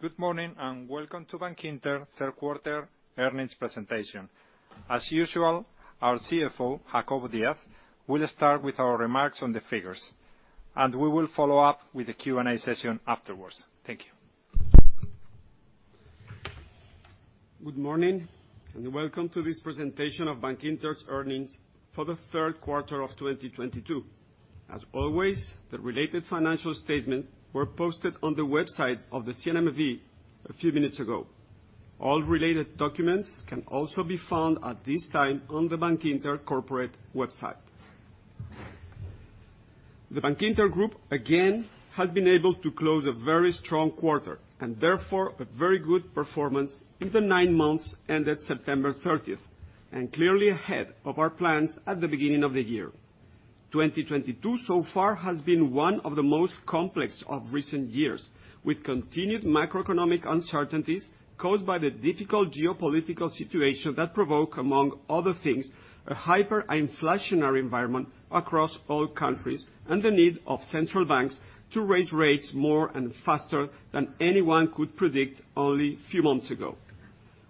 Good morning, and welcome to Bankinter Q3 earnings presentation. As usual, our CFO, Jacobo Díaz, will start with our remarks on the figures, and we will follow up with a Q&A session afterwards. Thank you. Good morning, and welcome to this presentation of Bankinter's earnings for the Q3 of 2022. As always, the related financial statements were posted on the website of the CNMV a few minutes ago. All related documents can also be found at this time on the Bankinter corporate website. The Bankinter group again has been able to close a very strong quarter, and therefore, a very good performance in the nine months ended September 30, and clearly ahead of our plans at the beginning of the year. 2022 so far has been one of the most complex of recent years, with continued macroeconomic uncertainties caused by the difficult geopolitical situation that provoke, among other things, a hyper-inflationary environment across all countries, and the need of central banks to raise rates more and faster than anyone could predict only a few months ago.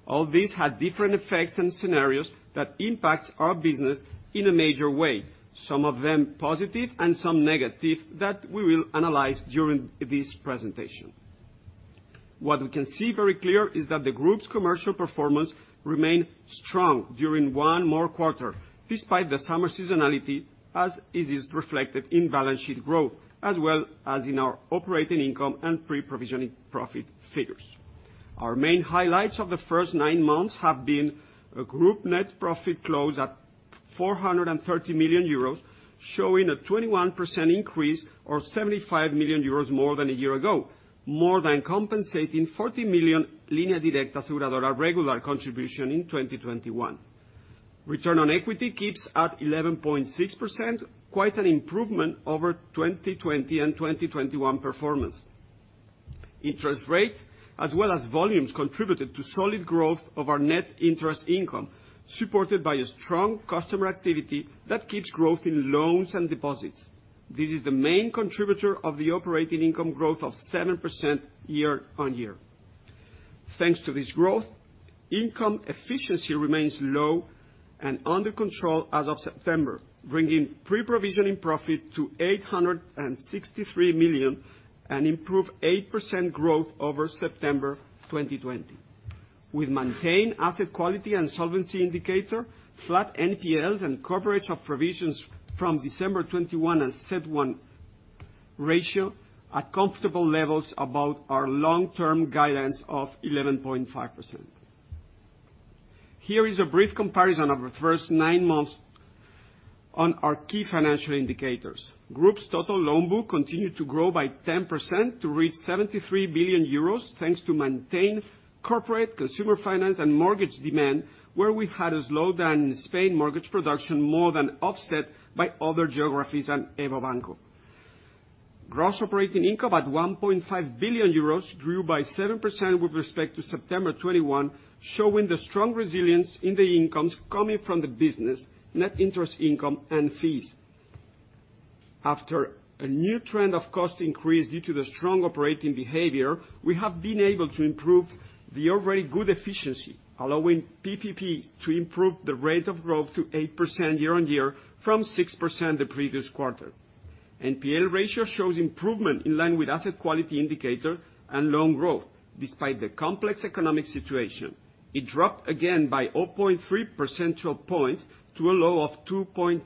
All this had different effects and scenarios that impacts our business in a major way, some of them positive and some negative, that we will analyze during this presentation. What we can see very clear is that the group's commercial performance remained strong during one more quarter, despite the summer seasonality, as it is reflected in balance sheet growth, as well as in our operating income and pre-provision profit figures. Our main highlights of the first nine months have been a group net profit close at 430 million euros, showing a 21% increase or 75 million euros more than a year ago, more than compensating 40 million Línea Directa Aseguradora regular contribution in 2021. Return on equity keeps at 11.6%, quite an improvement over 2020 and 2021 performance. Interest rates, as well as volumes, contributed to solid growth of our net interest income, supported by a strong customer activity that keeps growth in loans and deposits. This is the main contributor of the operating income growth of 7% year-over-year. Thanks to this growth, income efficiency remains low and under control as of September, bringing pre-provision profit to 863 million, an improved 8% growth over September 2020. With maintained asset quality and solvency indicator, flat NPLs and coverage of provisions from December 2021 and CET1 ratio at comfortable levels above our long-term guidance of 11.5%. Here is a brief comparison of the first nine months on our key financial indicators. Group's total loan book continued to grow by 10% to reach 73 billion euros, thanks to maintained corporate, consumer finance, and mortgage demand, where we had a slowdown in Spain mortgage production more than offset by other geographies and EVO Banco. Gross operating income at 1.5 billion euros grew by 7% with respect to September 2021, showing the strong resilience in the incomes coming from the business, net interest income, and fees. After a new trend of cost increase due to the strong operating behavior, we have been able to improve the already good efficiency, allowing PPP to improve the rate of growth to 8% year-on-year from 6% the previous quarter. NPL ratio shows improvement in line with asset quality indicator and loan growth, despite the complex economic situation. It dropped again by 0.3 percentage points to a low of 2.10%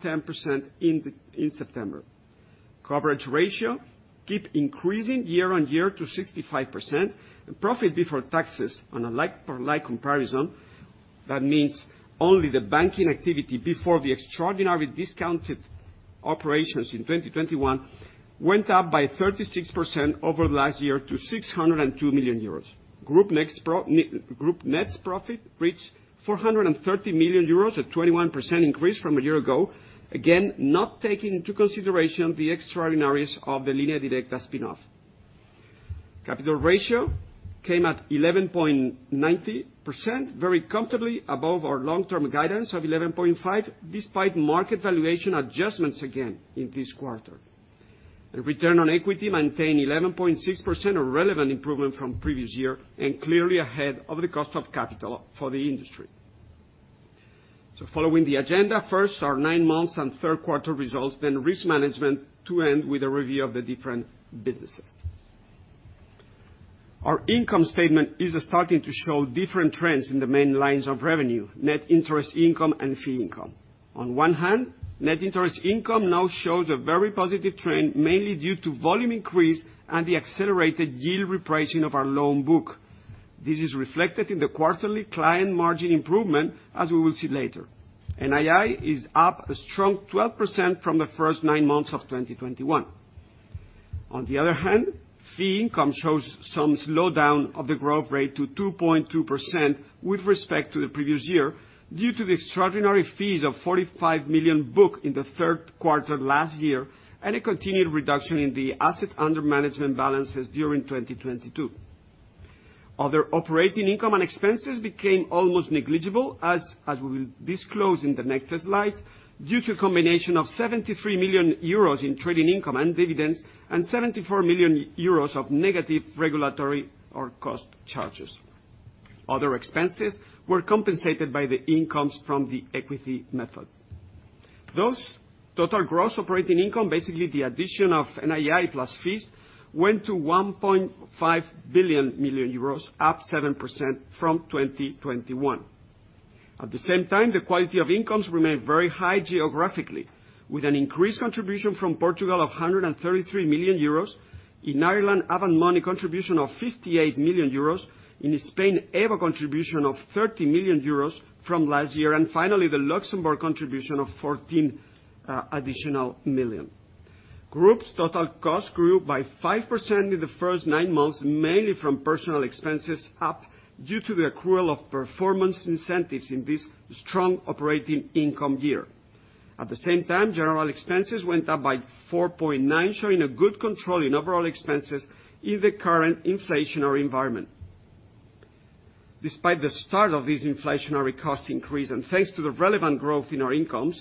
in September. Coverage ratio keeps increasing year-on-year to 65%. Profit before taxes on a like-for-like comparison, that means only the banking activity before the extraordinary discounted operations in 2021, went up by 36% over last year to 602 million euros. Group net profit reached 430 million euros, a 21% increase from a year ago. Again, not taking into consideration the extraordinaries of the Línea Directa spin-off. Capital ratio came at 11.90%, very comfortably above our long-term guidance of 11.5%, despite market valuation adjustments again in this quarter. The return on equity maintained 11.6%, a relevant improvement from previous year, and clearly ahead of the cost of capital for the industry. Following the agenda, first our nine months and Q3 results, then risk management, to end with a review of the different businesses. Our income statement is starting to show different trends in the main lines of revenue, net interest income, and fee income. On one hand, net interest income now shows a very positive trend, mainly due to volume increase and the accelerated yield repricing of our loan book. This is reflected in the quarterly client margin improvement, as we will see later. NII is up a strong 12% from the first nine months of 2021. On the other hand, fee income shows some slowdown of the growth rate to 2.2% with respect to the previous year due to the extraordinary fees of 45 million booked in the Q3 last year and a continued reduction in the asset under management balances during 2022. Other operating income and expenses became almost negligible as we will disclose in the next slide, due to a combination of 73 million euros in trading income and dividends, and 74 million euros of negative regulatory or cost charges. Other expenses were compensated by the incomes from the equity method. The total gross operating income, basically the addition of NII plus fees, went to 1.5 billion, up 7% from 2021. At the same time, the quality of incomes remained very high geographically, with an increased contribution from Portugal of 133 million euros. In Ireland, Avant Money contribution of 58 million euros. In Spain, Evo contribution of 30 million euros from last year. Finally, the Luxembourg contribution of 14 additional million. Group's total cost grew by 5% in the first nine months, mainly from personal expenses up due to the accrual of performance incentives in this strong operating income year. At the same time, general expenses went up by 4.9%, showing a good control in overall expenses in the current inflationary environment. Despite the start of this inflationary cost increase and thanks to the relevant growth in our incomes,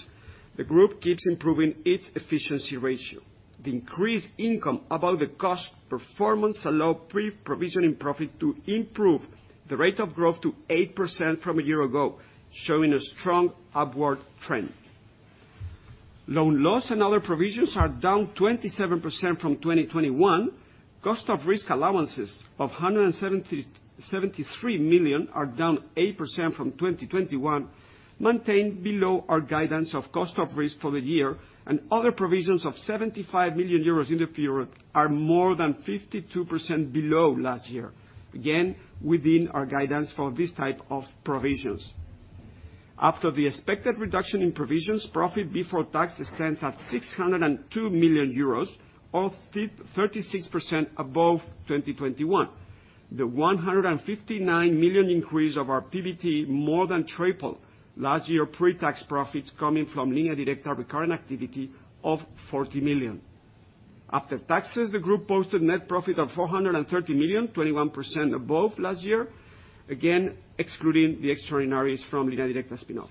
the group keeps improving its efficiency ratio. The increased income above the cost performance allow pre-provision profit to improve the rate of growth to 8% from a year ago, showing a strong upward trend. Loan loss and other provisions are down 27% from 2021. Cost of risk allowances of 177.73 million are down 8% from 2021, maintained below our guidance of cost of risk for the year. Other provisions of 75 million euros in the period are more than 52% below last year. Again, within our guidance for this type of provisions. After the expected reduction in provisions, profit before tax stands at 602 million euros, or 36% above 2021. The 159 million increase of our PBT more than triple last year pre-tax profits coming from Línea Directa recurrent activity of 40 million. After taxes, the group posted net profit of 430 million, 21% above last year. Again, excluding the extraordinaries from Línea Directa spin-off.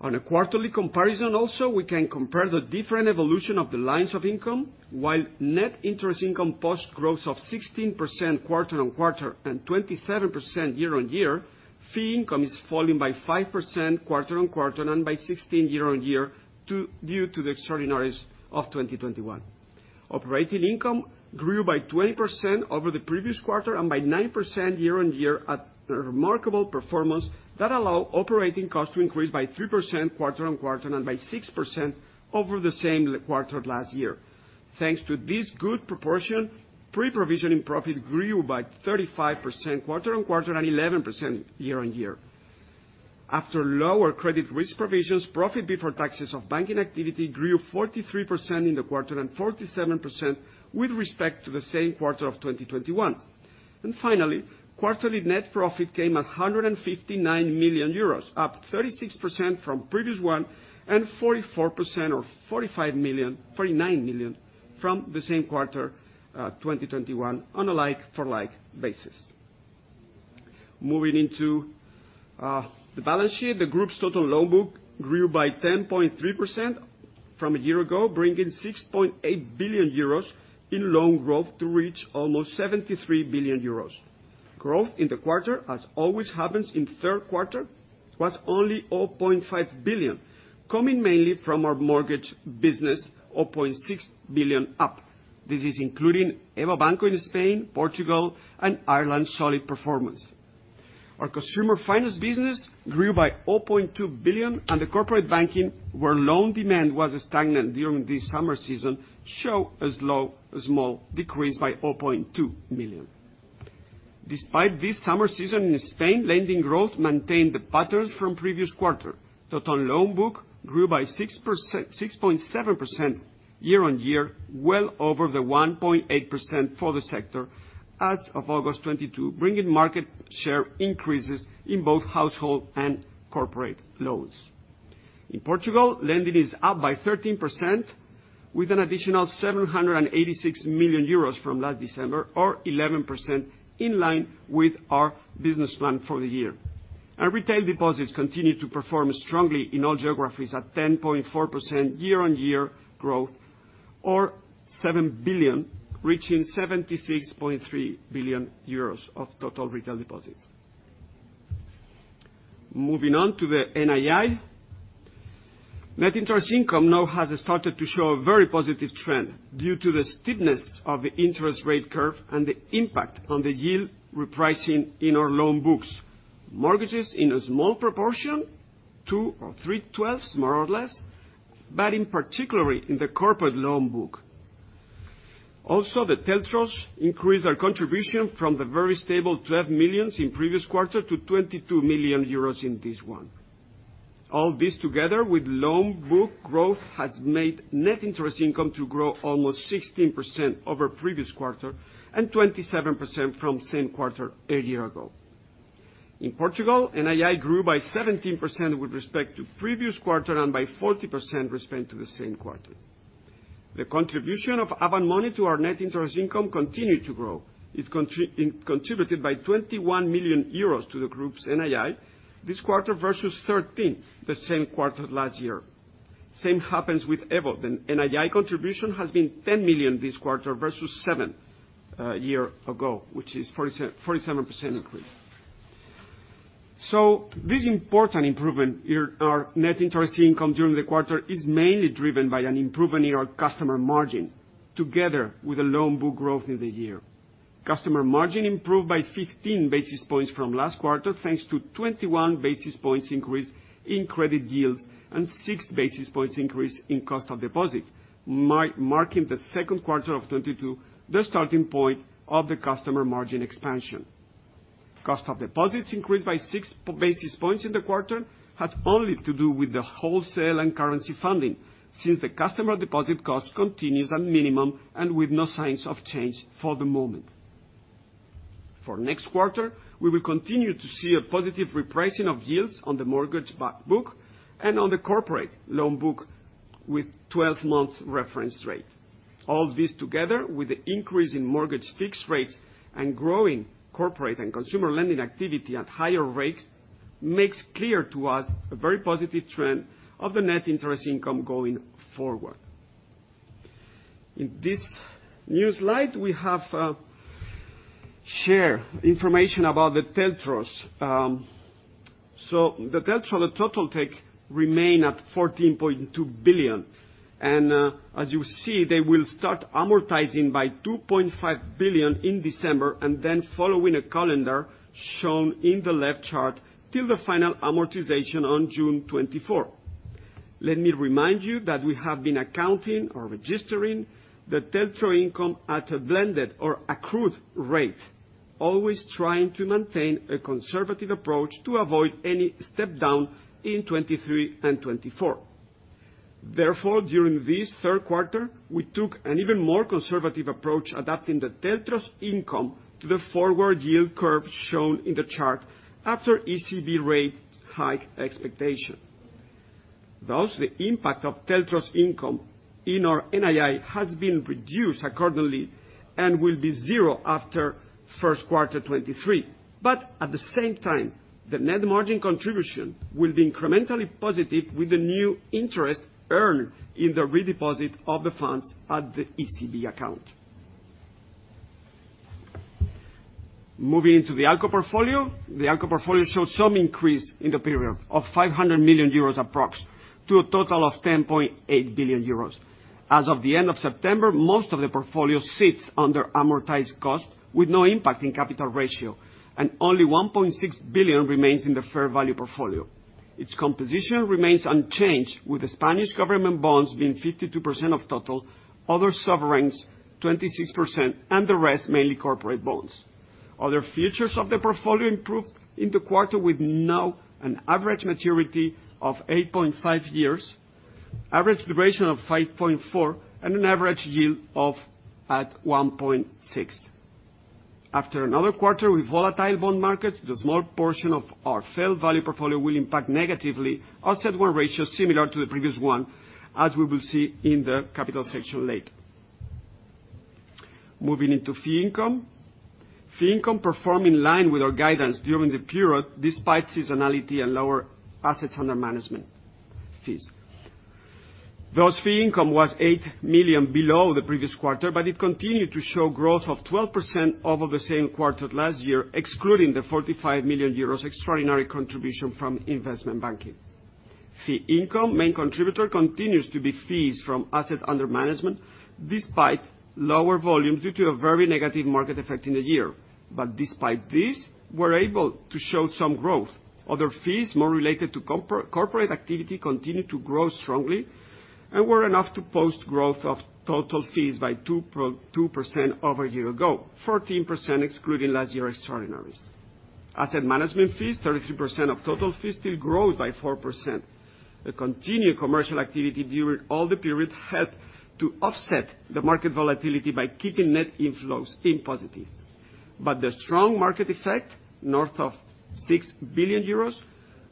On a quarterly comparison also, we can compare the different evolution of the lines of income. While net interest income posted growth of 16% quarter-on-quarter and 27% year-on-year, fee income is falling by 5% quarter-on-quarter, and by 16% year-on-year due to the extraordinaries of 2021. Operating income grew by 20% over the previous quarter and by 9% year-on-year at a remarkable performance that allow operating costs to increase by 3% quarter-on-quarter, and by 6% over the same quarter last year. Thanks to this good proportion, pre-provision profit grew by 35% quarter-on-quarter and 11% year-on-year. After lower credit risk provisions, profit before taxes of banking activity grew 43% in the quarter, and 47% with respect to the same quarter of 2021. Finally, quarterly net profit came at 159 million euros, up 36% from previous one and 44% or 49 million from the same quarter, 2021 on a like for like basis. Moving into the balance sheet. The group's total loan book grew by 10.3% from a year ago, bringing 6.8 billion euros in loan growth to reach almost 73 billion euros. Growth in the quarter, as always happens in Q3, was only 0.5 billion, coming mainly from our mortgage business, 0.6 billion up. This is including EVO Banco in Spain, Portugal, and Ireland's solid performance. Our consumer finance business grew by 0.2 billion, and the corporate banking, where loan demand was stagnant during the summer season, showed a small decrease by 0.2 billion. Despite this summer season in Spain, lending growth maintained the patterns from previous quarter. Total loan book grew by 6.7% year-on-year, well over the 1.8% for the sector as of August 2022, bringing market share increases in both household and corporate loans. In Portugal, lending is up by 13%, with an additional 786 million euros from last December or 11% in line with our business plan for the year. Our retail deposits continue to perform strongly in all geographies at 10.4% year-on-year growth or 7 billion, reaching 76.3 billion euros of total retail deposits. Moving on to the NII. Net interest income now has started to show a very positive trend due to the steepness of the interest rate curve and the impact on the yield repricing in our loan books. Mortgages in a small proportion, two or three 12th, more or less, but particularly in the corporate loan book. Also, the telcos increased their contribution from the very stable 12 million in previous quarter to 22 million euros in this one. All this together with loan book growth has made net interest income to grow almost 16% over previous quarter and 27% from same quarter a year ago. In Portugal, NII grew by 17% with respect to previous quarter and by 40% with respect to the same quarter. The contribution of Avant Money to our net interest income continued to grow. It contributed 21 million euros to the group's NII this quarter versus 13 million the same quarter last year. Same happens with Evo. The NII contribution has been 10 million this quarter versus seven year ago, which is 47% increase. This important improvement here, our net interest income during the quarter is mainly driven by an improvement in our customer margin together with a loan book growth in the year. Customer margin improved by 15 basis points from last quarter, thanks to 21 basis points increase in credit yields and 6 basis points increase in cost of deposit, marking the Q2 of 2022 the starting point of the customer margin expansion. Cost of deposits increased by 6 basis points in the quarter, has only to do with the wholesale and currency funding, since the customer deposit cost continues at minimum and with no signs of change for the moment. For next quarter, we will continue to see a positive repricing of yields on the mortgage-backed book and on the corporate loan book with 12-month reference rate. All this together with the increase in mortgage fixed rates and growing corporate and consumer lending activity at higher rates, makes clear to us a very positive trend of the net interest income going forward. In this new slide, we have share information about the TLTROs. The TLTRO, the total taken remains at 14.2 billion. As you see, they will start amortizing 2.5 billion in December and then following a calendar shown in the left chart till the final amortization on June 2024. Let me remind you that we have been accounting or registering the TLTRO income at a blended or accrued rate, always trying to maintain a conservative approach to avoid any step down in 2023 and 2024. Therefore, during this Q3, we took an even more conservative approach, adapting the TLTRO's income to the forward yield curve shown in the chart after ECB rate hike expectation. Thus, the impact of TLTRO's income in our NII has been reduced accordingly and will be zero after Q1 2023. At the same time, the net margin contribution will be incrementally positive with the new interest earned in the redeposit of the funds at the ECB account. Moving into the ALCO portfolio. The ALCO portfolio showed some increase in the period of 500 million euros approx, to a total of 10.8 billion euros. As of the end of September, most of the portfolio sits under amortized cost with no impact in capital ratio, and only 1.6 billion remains in the fair value portfolio. Its composition remains unchanged, with the Spanish government bonds being 52% of total, other sovereigns, 26%, and the rest, mainly corporate bonds. Other features of the portfolio improved in the quarter with now an average maturity of 8.5 years, average duration of 5.4 years, and an average yield of, at 1.6%. After another quarter with volatile bond markets, the small portion of our fair value portfolio will impact negatively our CET1 ratio similar to the previous one, as we will see in the capital section later. Moving into fee income. Fee income perform in line with our guidance during the period despite seasonality and lower assets under management fees. Thus fee income was 8 million below the previous quarter, but it continued to show growth of 12% over the same quarter last year, excluding the 45 million euros extraordinary contribution from investment banking. Fee income, main contributor continues to be fees from asset under management despite lower volumes due to a very negative market effect in the year. Despite this, we're able to show some growth. Other fees, more related to corporate activity continue to grow strongly and were enough to post growth of total fees by 2.2% over a year ago, 14% excluding last year extraordinaries. Asset management fees, 33% of total fees still grows by 4%. The continued commercial activity during all the period helped to offset the market volatility by keeping net inflows in positive. The strong market effect, north of 6 billion euros,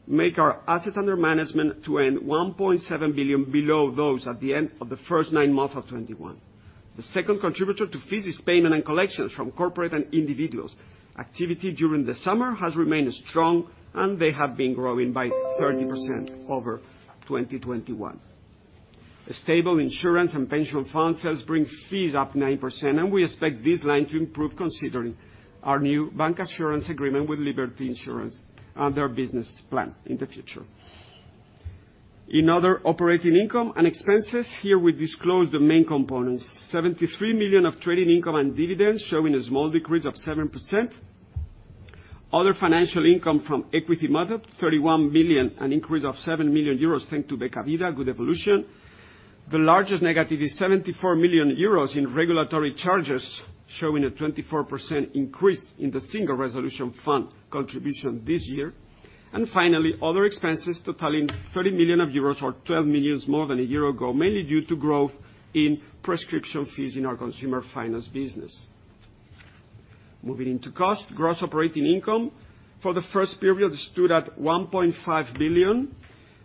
make our assets under management to end 1.7 billion below those at the end of the first nine months of 2021. The second contributor to fees is payment and collections from corporate and individuals. Activity during the summer has remained strong, and they have been growing by 30% over 2021. Stable insurance and pension fund sales bring fees up 9%, and we expect this line to improve considering our new bancassurance agreement with Liberty Seguros and their business plan in the future. In other operating income and expenses, here we disclose the main components. 73 million of trading income and dividends, showing a small decrease of 7%. Other financial income from equity method, 31 million, an increase of 7 million euros thanks to Bankinter Vida, good evolution. The largest negative is 74 million euros in regulatory charges, showing a 24% increase in the Single Resolution Fund contribution this year. Finally, other expenses totaling 30 million euros or 12 million euros more than a year ago, mainly due to growth in prescription fees in our consumer finance business. Moving into cost. Gross operating income for the first period stood at 1.5 billion,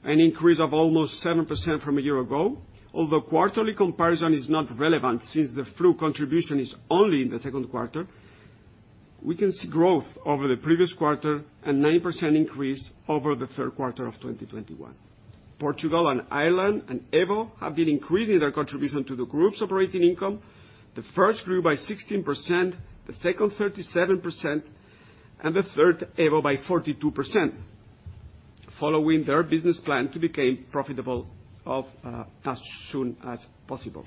an increase of almost 7% from a year ago. Although quarterly comparison is not relevant since the EVO contribution is only in the Q2, we can see growth over the previous quarter and 9% increase over the Q3 of 2021. Portugal and Ireland and Evo have been increasing their contribution to the group's operating income. The first grew by 16%, the second 37%, and the third, Evo, by 42%, following their business plan to become profitable as soon as possible.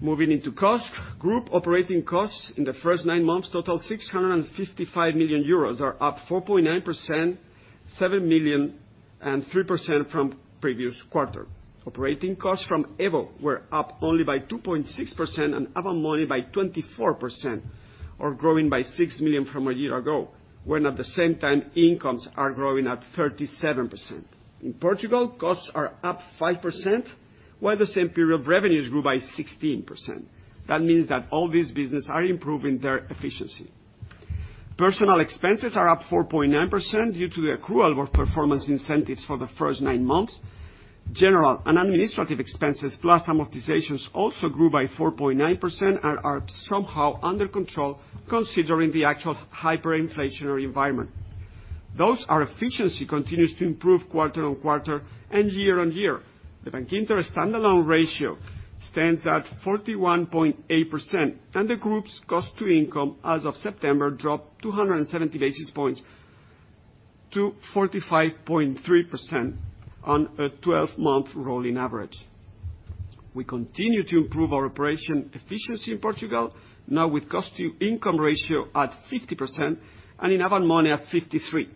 Moving into costs. Group operating costs in the first nine months totaled 655 million euros, up 4.9%, 7 million and 3% from previous quarter. Operating costs from Evo were up only by 2.6% and Avant Money by 24%, or growing by 6 million from a year ago, when at the same time, incomes are growing at 37%. In Portugal, costs are up 5%, while the same period revenues grew by 16%. That means that all these business are improving their efficiency. Personal expenses are up 4.9% due to the accrual of performance incentives for the first nine months. General and administrative expenses, plus amortizations, also grew by 4.9%, and are somehow under control considering the actual hyperinflationary environment. Thus, our efficiency continues to improve quarter-on-quarter and year-on-year. The Bankinter standalone ratio stands at 41.8%, and the group's cost to income as of September dropped 270 basis points to 45.3% on a 12-month rolling average. We continue to improve our operational efficiency in Portugal, now with cost to income ratio at 50%, and in Avant Money at 53%.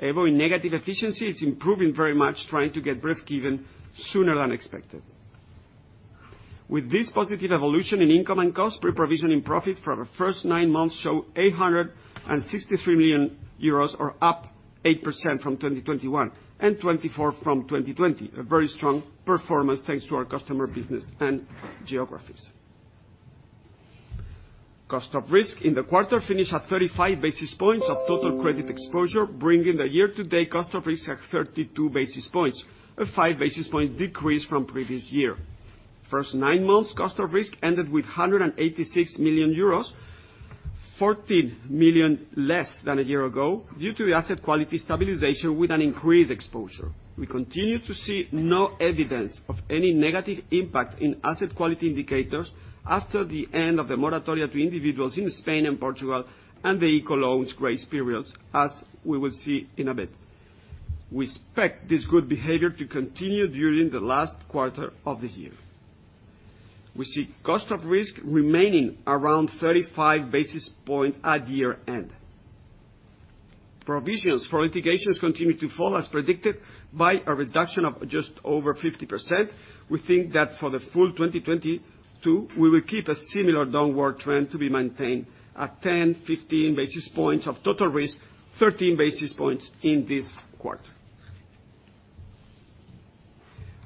Evo, in negative efficiency, it's improving very much, trying to get break even sooner than expected. With this positive evolution in income and cost, pre-provision profit for the first nine months show 863 million euros, or up 8% from 2021, and 24% from 2020. A very strong performance, thanks to our customer business and geographies. Cost of risk in the quarter finished at 35 basis points of total credit exposure, bringing the year-to-date cost of risk at 32 basis points, a 5 basis points decrease from previous year. First nine months cost of risk ended with 186 million euros, 14 million less than a year ago due to the asset quality stabilization with an increased exposure. We continue to see no evidence of any negative impact in asset quality indicators after the end of the moratoria to individuals in Spain and Portugal and the ICO loans grace periods, as we will see in a bit. We expect this good behavior to continue during the last quarter of this year. We see cost of risk remaining around 35 basis points at year-end. Provisions for litigations continue to fall as predicted by a reduction of just over 50%. We think that for the full 2022, we will keep a similar downward trend to be maintained at 10-15 basis points of total risk, 13 basis points in this quarter.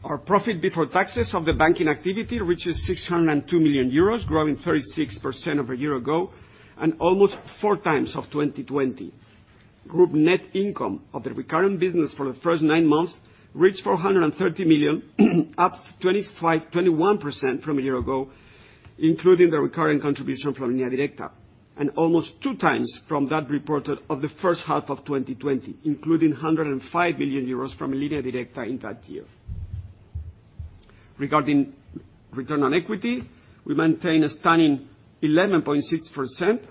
Our profit before taxes of the banking activity reaches 602 million euros, growing 36% over a year ago, and almost four times of 2020. Group net income of the recurring business for the first nine months reached 430 million, up 25.21% from a year ago, including the recurring contribution from Línea Directa, and almost two times from that reported of the H1 of 2020, including 105 million euros from Línea Directa in that year. Regarding return on equity, we maintain a stunning 11.6%.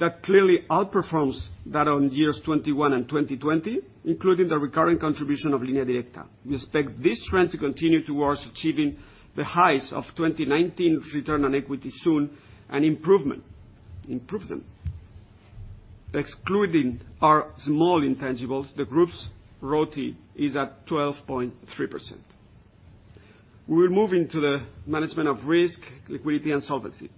That clearly outperforms that on years 2021 and 2020, including the recurring contribution of Línea Directa. We expect this trend to continue towards achieving the highs of 2019 return on equity soon, and improvement. Excluding our small intangibles, the group's ROTE is at 12.3%. We're moving to the management of risk, liquidity and solvency.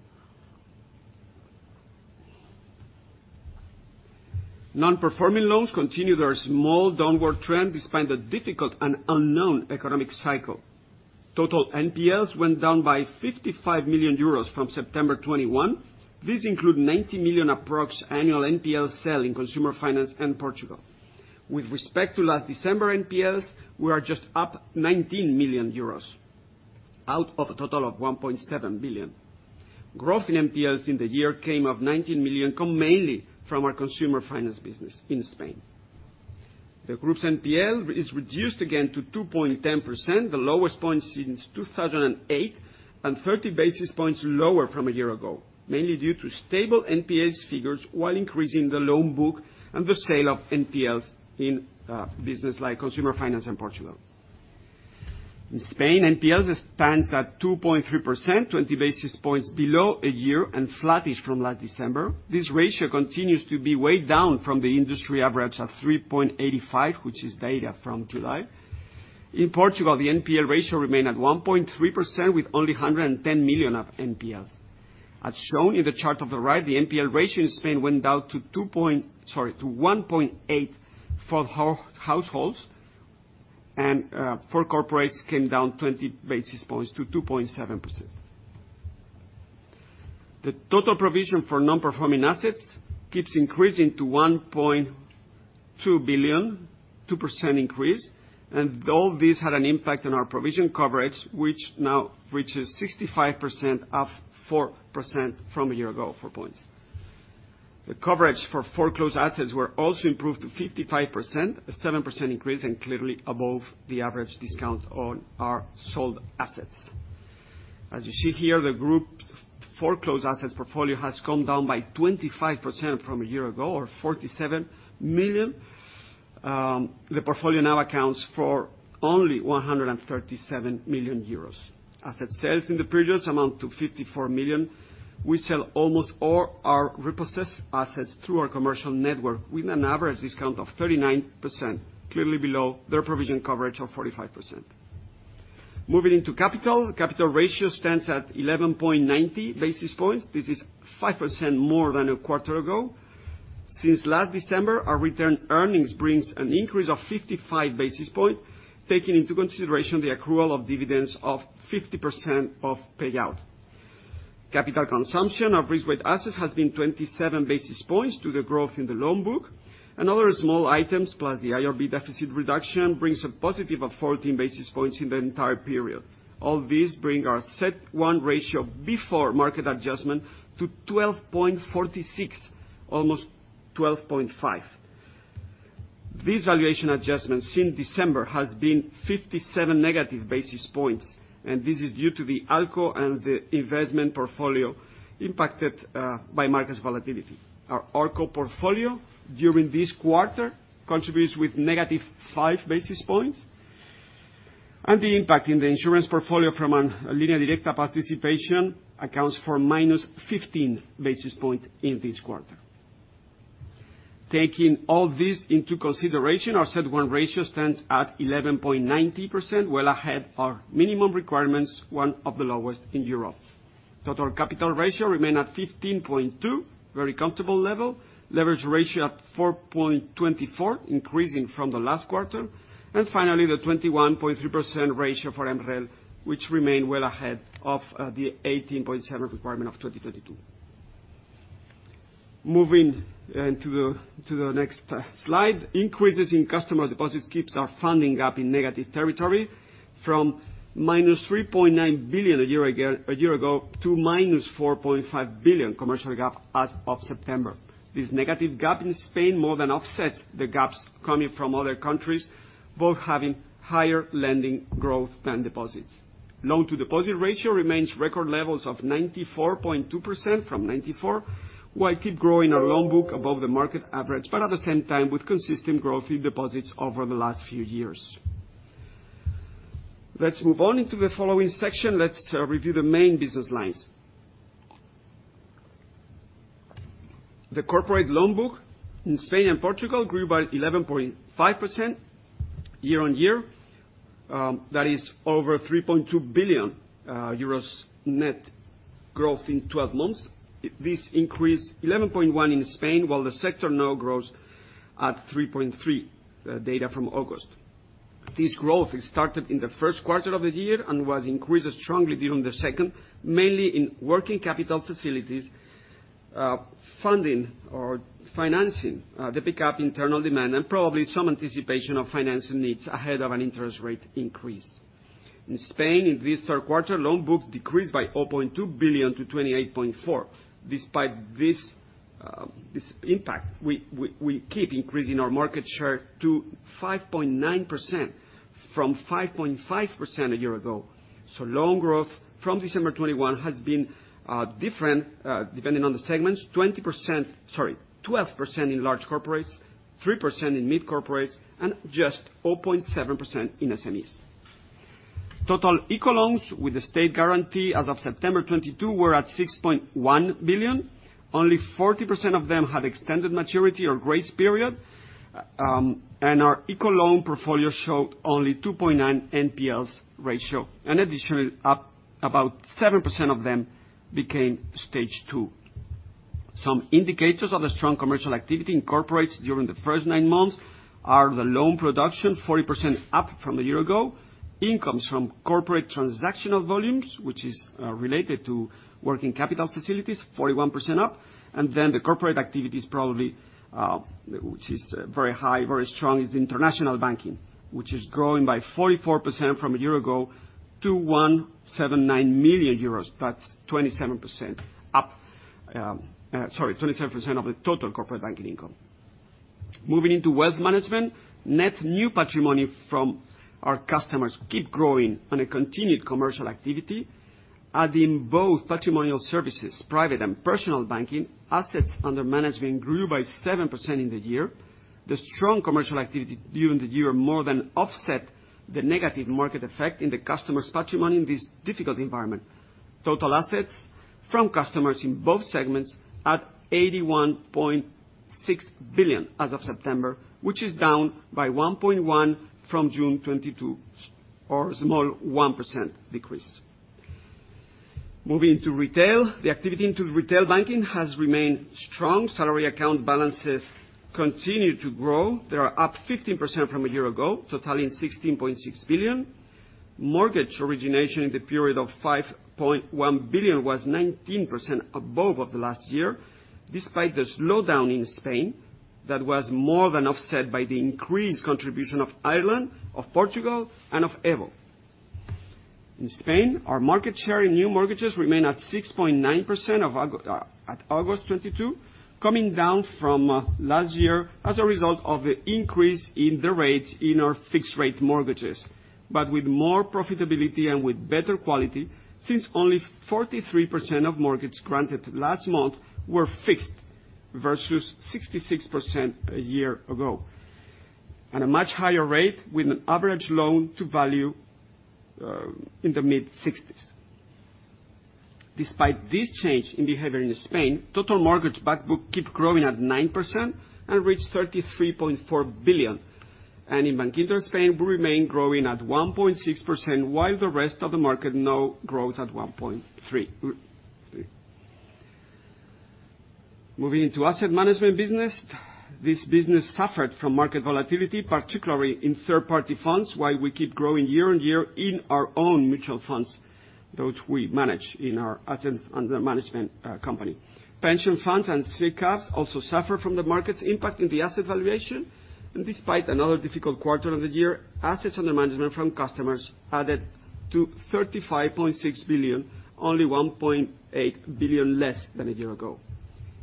Non-performing loans continue their small downward trend despite the difficult and unknown economic cycle. Total NPLs went down by 55 million euros from September 2021. These include approximately 90 million annual NPL sale in consumer finance and Portugal. With respect to last December NPLs, we are just up 19 million euros, out of a total of 1.7 billion. Growth in NPLs in the year came to 19 million, coming mainly from our consumer finance business in Spain. The group's NPL is reduced again to 2.10%, the lowest point since 2008, and 30 basis points lower from a year ago, mainly due to stable NPLs figures while increasing the loan book and the sale of NPLs in business like consumer finance in Portugal. In Spain, NPLs stands at 2.3%, 20 basis points below a year and flattish from last December. This ratio continues to be way down from the industry average of 3.85%, which is data from July. In Portugal, the NPL ratio remained at 1.3% with only 110 million of NPLs. As shown in the chart on the right, the NPL ratio in Spain went down to 1.8% for households, and for corporates came down 20 basis points to 2.7%. The total provision for non-performing assets keeps increasing to 1.2 billion, 2% increase. All this had an impact on our provision coverage, which now reaches 65%, up 4% from a year ago, 4 points. The coverage for foreclosed assets were also improved to 55%, a 7% increase, and clearly above the average discount on our sold assets. As you see here, the group's foreclosed assets portfolio has come down by 25% from a year ago, or 47 million. The portfolio now accounts for only 137 million euros. Asset sales in the period amount to 54 million. We sell almost all our repossessed assets through our commercial network, with an average discount of 39%, clearly below their provision coverage of 45%. Moving into capital. Capital ratio stands at 11.90 basis points. This is 5% more than a quarter ago. Since last December, our return earnings brings an increase of 55 basis points, taking into consideration the accrual of dividends of 50% of payout. Capital consumption of risk-weighted assets has been 27 basis points due to growth in the loan book. Other small items, plus the IRB deficit reduction, brings a positive of 14 basis points in the entire period. All this bring our CET1 ratio before market adjustment to 12.46%, almost 12.5%. These valuation adjustments since December has been -57 basis points, and this is due to the ALCO and the investment portfolio impacted by market volatility. Our ALCO portfolio during this quarter contributes with -5 basis points. The impact in the insurance portfolio from a Línea Directa participation accounts for -15 basis points in this quarter. Taking all this into consideration, our CET1 ratio stands at 11.90%, well ahead of our minimum requirements, one of the lowest in Europe. Total capital ratio remain at 15.2, very comfortable level. Leverage ratio at 4.24, increasing from the last quarter. Finally, the 21.3% ratio for MREL, which remain well ahead of the 18.7% requirement of 2022. Moving to the next slide. Increases in customer deposits keeps our funding gap in negative territory from -3.9 billion a year ago to -4.5 billion commercial gap as of September. This negative gap in Spain more than offsets the gaps coming from other countries, both having higher lending growth than deposits. Loan-to-deposit ratio remains record levels of 94.2% from 94%, while keep growing our loan book above the market average, but at the same time with consistent growth in deposits over the last few years. Let's move on into the following section. Let's review the main business lines. The corporate loan book in Spain and Portugal grew by 11.5% year-on-year. That is over 3.2 billion euros net growth in 12 months. This increased 11.1% in Spain, while the sector now grows at 3.3%, data from August. This growth, it started in the Q1 of the year and was increased strongly during the second, mainly in working capital facilities, funding or financing, the pick-up internal demand and probably some anticipation of financing needs ahead of an interest rate increase. In Spain, in this Q3, loan book decreased by 4.2 billion-28.4 billion. Despite this impact, we keep increasing our market share to 5.9% from 5.5% a year ago. Loan growth from December 2021 has been different depending on the segments, 12% in large corporates, 3% in mid corporates, and just 4.7% in SMEs. Total ICO loans with the state guarantee as of September 2022 were at 6.1 billion. Only 40% of them had extended maturity or grace period. Our ICO loan portfolio showed only 2.9% NPL ratio. In addition, about 7% of them became Stage 2. Some indicators of the strong commercial activity in corporates during the first nine months are the loan production, 40% up from a year ago. Incomes from corporate transactional volumes, which is related to working capital facilities, 41% up. Then the corporate activity, which is very high, very strong, is international banking, which is growing by 44% from a year ago to 179 million euros. That's 27% of the total corporate banking income. Moving into wealth management. Net new patrimony from our customers keep growing on a continued commercial activity. Adding both patrimonial services, private and personal banking, assets under management grew by 7% in the year. The strong commercial activity during the year more than offset the negative market effect in the customer's patrimony in this difficult environment. Total assets from customers in both segments at 81.6 billion as of September, which is down by 1.1 billion from June 2022, or a small 1% decrease. Moving to retail. The activity into retail banking has remained strong. Salary account balances continue to grow. They are up 15% from a year ago, totaling 16.6 billion. Mortgage origination in the period of 5.1 billion was 19% above of the last year, despite the slowdown in Spain, that was more than offset by the increased contribution of Ireland, of Portugal, and of Evo. In Spain, our market share in new mortgages remain at 6.9% as of August 2022, coming down from last year as a result of the increase in the rates in our fixed rate mortgages. With more profitability and with better quality, since only 43% of mortgages granted last month were fixed versus 66% a year ago. At a much higher rate, with an average loan-to-value in the mid-60s. Despite this change in behavior in Spain, total mortgage backbook keep growing at 9% and reach 33.4 billion. In Bankinter Spain will remain growing at 1.6%, while the rest of the market now grows at 1.3%. Moving into asset management business. This business suffered from market volatility, particularly in third-party funds, while we keep growing year on year in our own mutual funds, those we manage in our assets under management company. Pension funds and SICAVs also suffer from the market's impact in the asset valuation. Despite another difficult quarter of the year, assets under management from customers added to 35.6 billion, only 1.8 billion less than a year ago.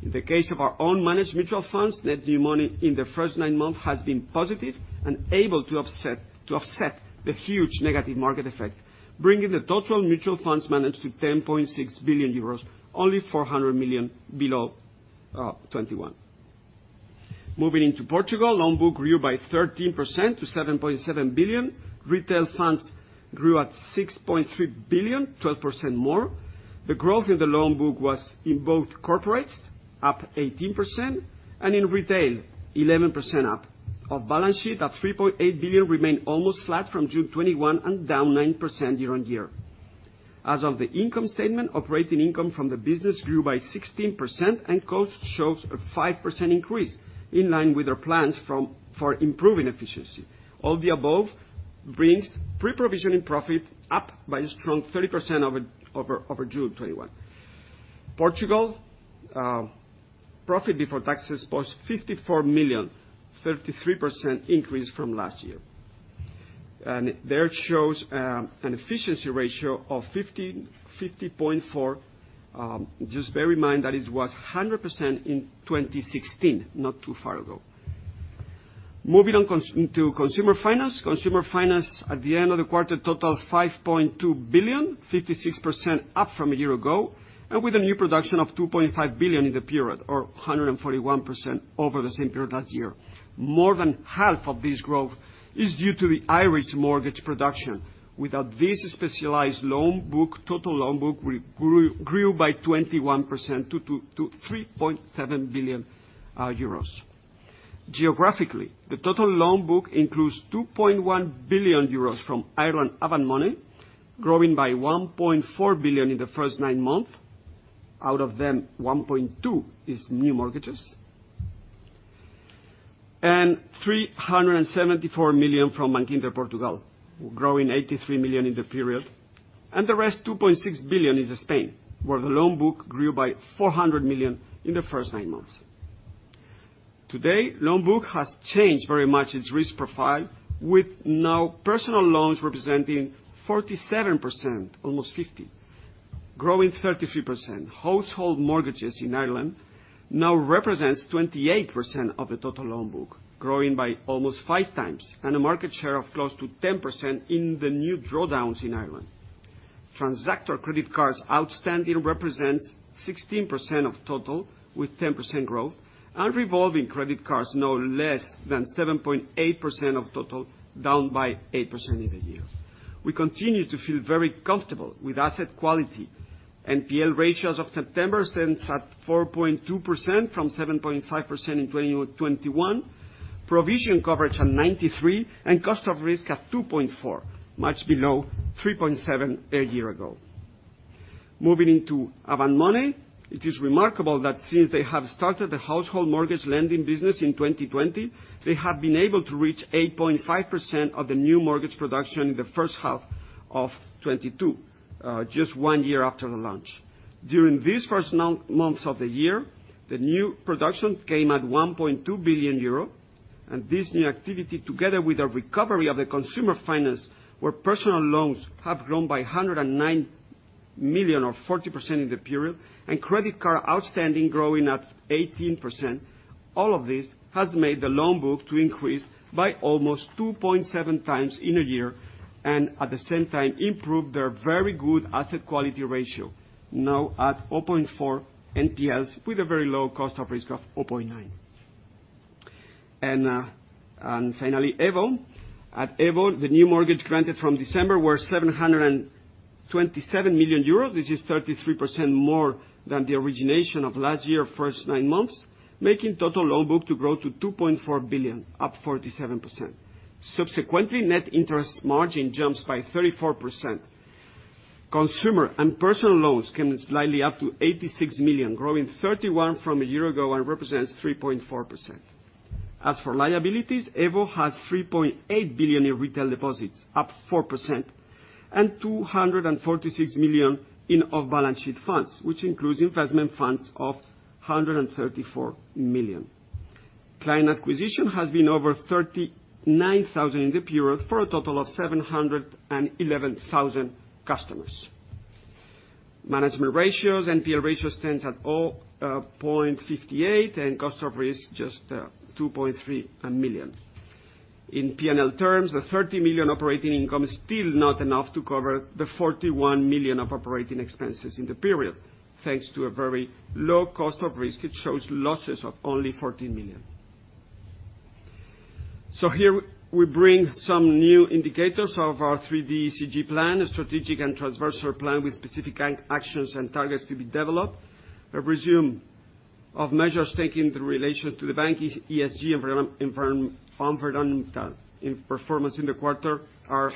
In the case of our own managed mutual funds, net new money in the first nine months has been positive and able to offset the huge negative market effect, bringing the total mutual funds managed to 10.6 billion euros, only 400 million below 2021. Moving into Portugal. Loan book grew by 13% to 7.7 billion. Retail funds grew to 6.3 billion, 12% more. The growth in the loan book was in both corporates, up 18%, and in retail, 11% up. Off-balance-sheet, at 3.8 billion, remained almost flat from June 2021 and down 9% year-over-year. As of the income statement, operating income from the business grew by 16%, and cost shows a 5% increase in line with our plans for improving efficiency. All the above brings pre-provision profit up by a strong 30% over June 2021. Portugal profit before taxes post 54 million, 33% increase from last year. There shows an efficiency ratio of 50.4%. Just bear in mind that it was 100% in 2016, not too far ago. Moving on to consumer finance. Consumer finance at the end of the quarter total 5.2 billion, 56% up from a year ago, and with a new production of 2.5 billion in the period, or 141% over the same period last year. More than half of this growth is due to the Irish mortgage production. Without this specialized loan book, total loan book grew by 21% to 3.7 billion euros. Geographically, the total loan book includes 2.1 billion euros from Ireland Avant Money, growing by 1.4 billion in the first nine months. Out of them, 1.2 is new mortgages. Three hundred and seventy-four million from Bankinter Portugal, growing 83 million in the period. The rest, 2.6 billion, is in Spain, where the loan book grew by 400 million in the first nine months. Today, loan book has changed very much its risk profile, with now personal loans representing 47%, almost 50%, growing 33%. Household mortgages in Ireland now represents 28% of the total loan book, growing by almost 5x, and a market share of close to 10% in the new drawdowns in Ireland. Transactor credit cards outstanding represents 16% of total, with 10% growth, and revolving credit cards, now less than 7.8% of total, down by 8% in the year. We continue to feel very comfortable with asset quality. NPL ratios of September stands at 4.2% from 7.5% in 2021. Provision coverage at 93, and cost of risk at 2.4%, much below 3.7% a year ago. Moving into Avant Money, it is remarkable that since they have started the household mortgage lending business in 2020, they have been able to reach 8.5% of the new mortgage production in the H1 of 2022, just one year after the launch. During these first months of the year, the new production came at 1.2 billion euro. This new activity, together with a recovery of the consumer finance, where personal loans have grown by 109 million or 40% in the period, and credit card outstanding growing at 18%. All of this has made the loan book to increase by almost 2.7x in a year and, at the same time, improve their very good asset quality ratio, now at 0.4% NPLs with a very low cost of risk of 0.9%. Finally, EVO. At EVO, the new mortgage granted from December were 727 million euros. This is 33% more than the origination of last year's first nine months, making total loan book to grow to 2.4 billion, up 47%. Subsequently, net interest margin jumps by 34%. Consumer and personal loans came slightly up to 86 million, growing 31% from a year ago and represents 3.4%. As for liabilities, EVO has 3.8 billion in retail deposits, up 4%, and 246 million in off-balance sheet funds, which includes investment funds of 134 million. Client acquisition has been over 39,000 in the period, for a total of 711,000 customers. Management ratios, NPL ratio stands at 0.58%, and cost of risk 2.3 million. In P&L terms, the 30 million operating income is still not enough to cover the 41 million of operating expenses in the period. Thanks to a very low cost of risk, it shows losses of only 14 million. Here we bring some new indicators of our 3D ESG plan, a strategic and transversal plan with specific actions and targets to be developed. A résumé of measures taken in relation to the bank's ESG environmental performance in the quarter are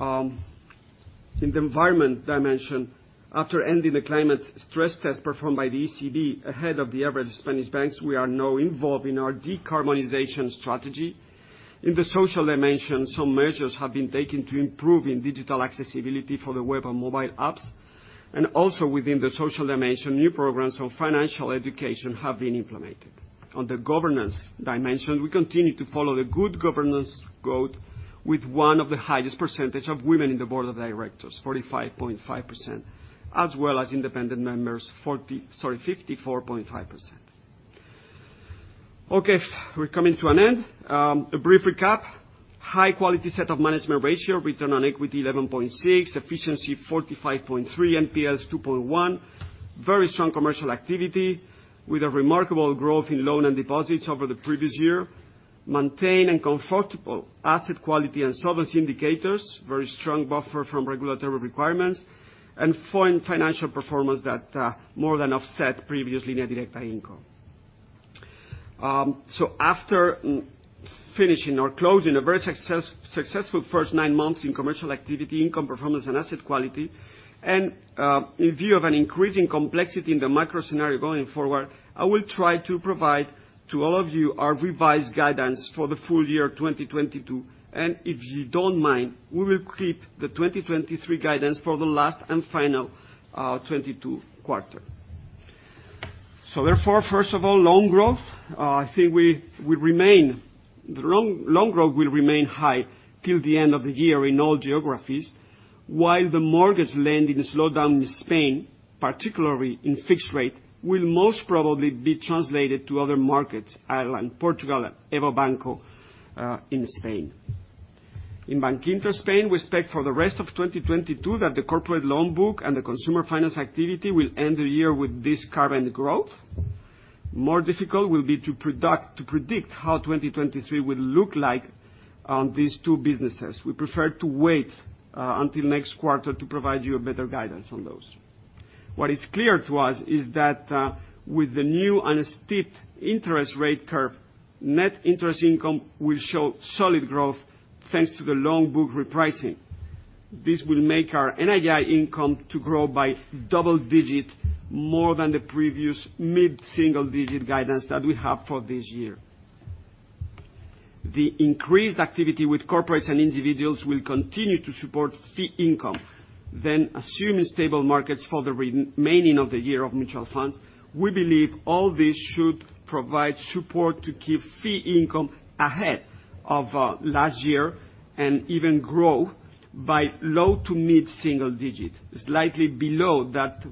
in the environment dimension. After ending the climate stress test performed by the ECB ahead of the average Spanish banks, we are now involved in our decarbonization strategy. In the social dimension, some measures have been taken to improve digital accessibility for the web and mobile apps. Also within the social dimension, new programs on financial education have been implemented. On the governance dimension, we continue to follow the good governance code with one of the highest percentage of women in the board of directors, 45.5%, as well as independent members, 54.5%. We're coming to an end. A brief recap. High quality set of management ratios, return on equity 11.6%, efficiency 45.3%, NPL 2.1%. Very strong commercial activity with a remarkable growth in loans and deposits over the previous year. Maintained a comfortable asset quality and service indicators, very strong buffer from regulatory requirements, and fine financial performance that more than offset previous NII. After finishing or closing a very successful first nine months in commercial activity, income performance and asset quality, and in view of an increasing complexity in the macro-scenario going forward, I will try to provide to all of you our revised guidance for the full year 2022. If you don't mind, we will keep the 2023 guidance for the last and final 2022 quarter. First of all, loan growth. I think the loan growth will remain high till the end of the year in all geographies. While the mortgage lending slowdown in Spain, particularly in fixed-rate, will most probably be translated to other markets, Ireland, Portugal, and EVO Banco in Spain. In Bankinter Spain, we expect for the rest of 2022 that the corporate loan book and the consumer finance activity will end the year with this current growth. More difficult will be to predict how 2023 will look like on these two businesses. We prefer to wait until next quarter to provide you a better guidance on those. What is clear to us is that with the new and steep interest rate curve, net interest income will show solid growth thanks to the loan book repricing. This will make our NII income to grow by double-digit more than the previous mid-single-digit guidance that we have for this year. The increased activity with corporates and individuals will continue to support fee income. Assuming stable markets for the remaining of the year of mutual funds, we believe all this should provide support to keep fee income ahead of last year and even grow by low- to mid-single-digit, slightly below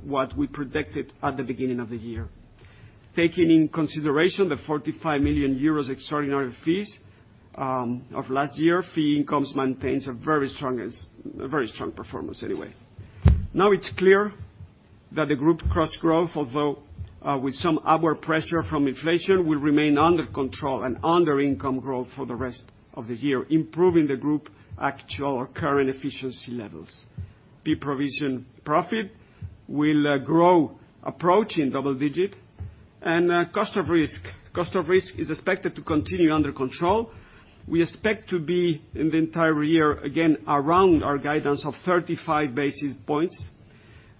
what we predicted at the beginning of the year. Taking into consideration the 45 million euros extraordinary fees of last year, fee income maintains a very strong performance anyway. It's clear that the group cost growth, although with some upward pressure from inflation, will remain under control and under income growth for the rest of the year, improving the group actual current efficiency levels. Pre-provision profit will grow approaching double digit. Cost of risk is expected to continue under control. We expect to be in the entire year, again, around our guidance of 35 basis points,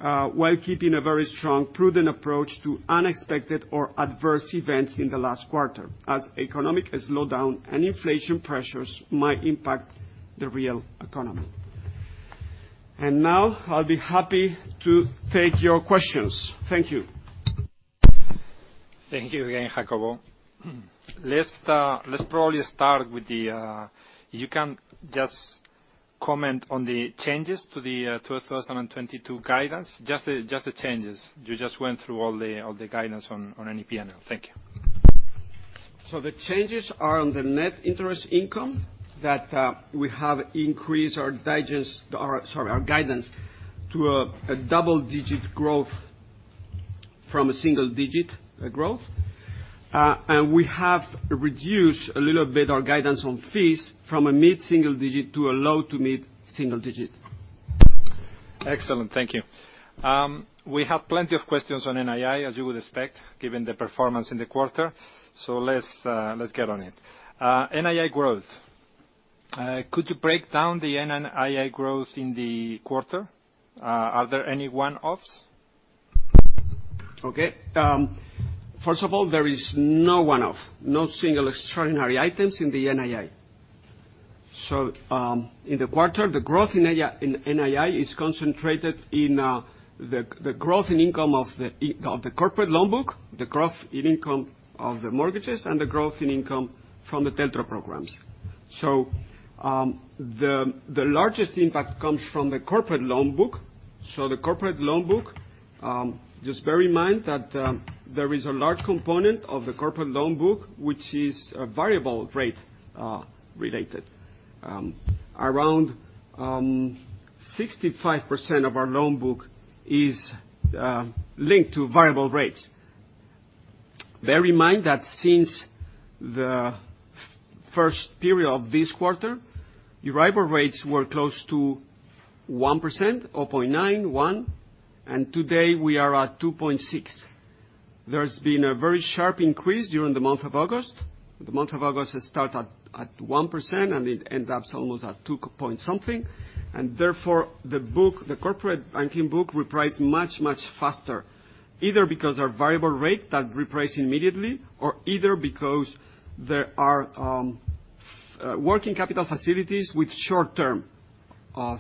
while keeping a very strong, prudent approach to unexpected or adverse events in the last quarter, as economic slowdown and inflation pressures might impact the real economy. Now I'll be happy to take your questions. Thank you. Thank you again, Jacobo. Let's probably start with if you can just comment on the changes to the 2022 guidance. Just the changes. You just went through all the guidance on NII and P&L. Thank you. The changes are on the net interest income that we have increased our guidance to a double-digit growth from a single digit growth. We have reduced a little bit our guidance on fees from a mid-single digit to a low-to-mid single digit. Excellent, thank you. We have plenty of questions on NII, as you would expect, given the performance in the quarter. Let's get on it. NII growth. Could you break down the NII growth in the quarter? Are there any one-offs? Okay. First of all, there is no one-off, no single extraordinary items in the NII. In the quarter, the growth in NII is concentrated in the growth in income of the corporate loan book, the growth in income of the mortgages, and the growth in income from the TLTRO programs. The largest impact comes from the corporate loan book. The corporate loan book, just bear in mind that there is a large component of the corporate loan book, which is a variable rate related. Around 65% of our loan book is linked to variable rates. Bear in mind that since the first period of this quarter, Euribor rates were close to 1% or 0.91%, and today we are at 2.6%. There's been a very sharp increase during the month of August. The month of August has started at 1%, and it ends up almost at 2 point something. Therefore, the book, the corporate banking book repriced much, much faster, either because our variable rate that reprice immediately, or either because there are, working capital facilities with short-term of,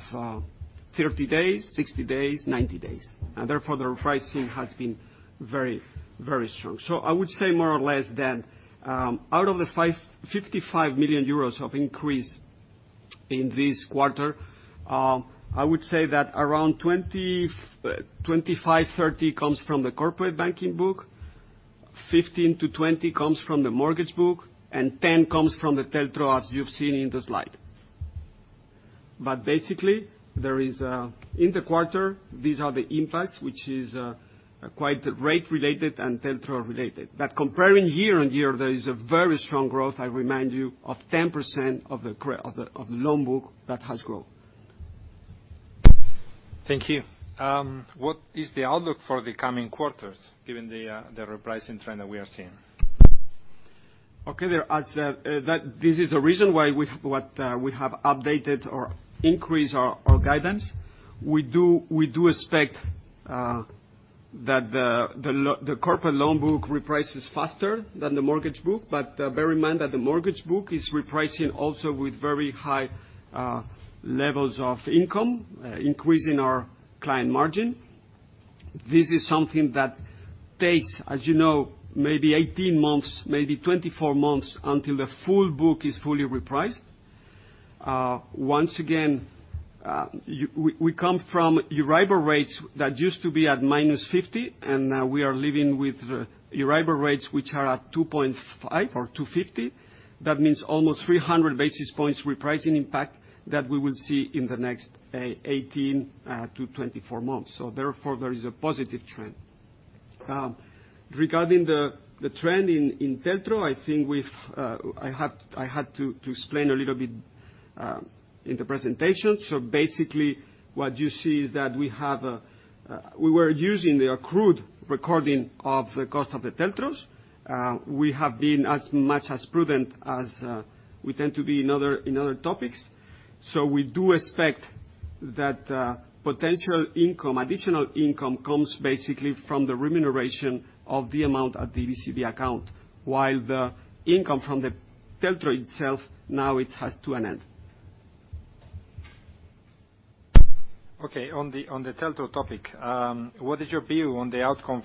30 days, 60 days, 90 days. Therefore, the repricing has been very, very strong. I would say more or less than, out of the 55 million euros of increase in this quarter, I would say that around 20, 25, 30 comes from the corporate banking book, 15-20 comes from the mortgage book, and 10 comes from the TLTRO, as you've seen in the slide. Basically, there is, in the quarter, these are the impacts, which is quite rate related and TLTRO related. Comparing year-on-year, there is a very strong growth, I remind you, of 10% of the loan book that has grown. Thank you. What is the outlook for the coming quarters given the repricing trend that we are seeing? Okay. This is the reason why we have updated or increased our guidance. We do expect that the corporate loan book reprices faster than the mortgage book, but bear in mind that the mortgage book is repricing also with very high levels of income, increasing our client margin. This is something that takes, as you know, maybe 18 months, maybe 24 months until the full book is fully repriced. Once again, we come from Euribor rates that used to be at -0.50%, and now we are living with Euribor rates, which are at 2.5% or 2.50%. That means almost 300 basis points repricing impact that we will see in the next 18 to 24 months. Therefore, there is a positive trend. Regarding the trend in TLTRO, I think I had to explain a little bit in the presentation. Basically, what you see is that we were using the accrued recording of the cost of the TLTROs. We have been as prudent as we tend to be in other topics. We do expect that potential income, additional income comes basically from the remuneration of the amount at the ECB account, while the income from the TLTRO itself now has come to an end. Okay. On the TLTRO topic, what is your view on the outcome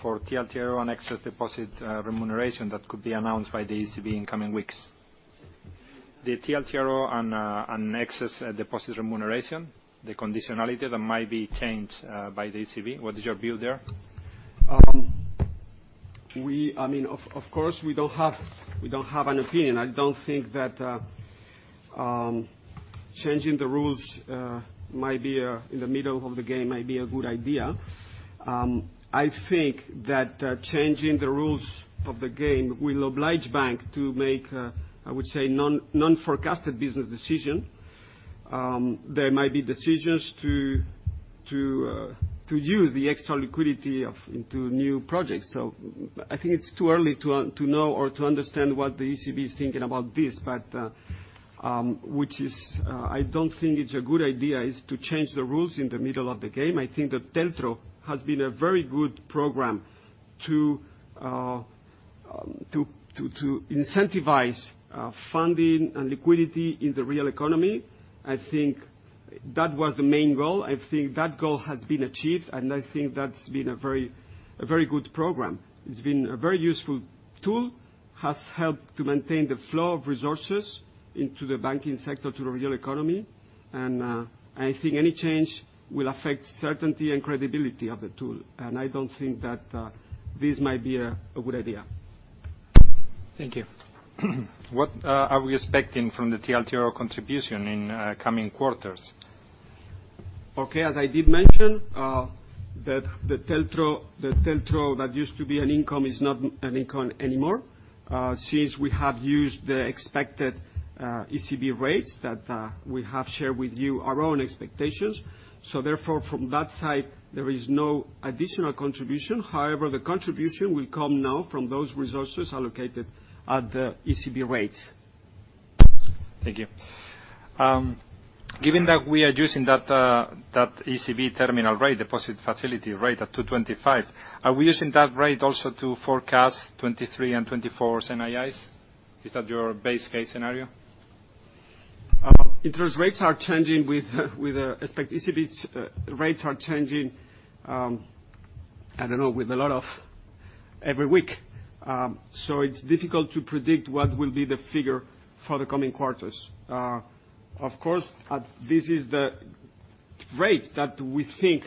for TLTRO on excess deposit remuneration that could be announced by the ECB in coming weeks? The TLTRO on excess deposit remuneration, the conditionality that might be changed by the ECB, what is your view there? I mean, of course, we don't have an opinion. I don't think that changing the rules in the middle of the game might be a good idea. I think that changing the rules of the game will oblige banks to make, I would say, non-forecasted business decisions. There might be decisions to use the extra liquidity to put into new projects. I think it's too early to know or to understand what the ECB is thinking about this, but I don't think it's a good idea to change the rules in the middle of the game. I think that TLTRO has been a very good program to incentivize funding and liquidity in the real economy. I think that was the main goal. I think that goal has been achieved, and I think that's been a very good program. It's been a very useful tool, has helped to maintain the flow of resources into the banking sector to the real economy. I think any change will affect certainty and credibility of the tool, and I don't think that this might be a good idea. Thank you. What are we expecting from the TLTRO contribution in coming quarters? Okay, as I did mention, the TLTRO that used to be an income is not an income anymore, since we have used the expected ECB rates that we have shared with you our own expectations. Therefore from that side, there is no additional contribution. However, the contribution will come now from those resources allocated at the ECB rates. Thank you. Given that we are using that ECB terminal rate, deposit facility rate at 2.25%, are we using that rate also to forecast 2023 and 2024's NIIs? Is that your base case scenario? Interest rates are changing with expected ECB's rates changing every week. I don't know, with a lot every week. It's difficult to predict what will be the figure for the coming quarters. Of course, as this is the rate that we think